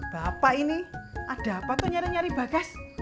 bapak ini ada apa tuh nyari nyari bagas